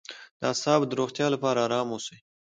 د اعصابو د روغتیا لپاره ارام اوسئ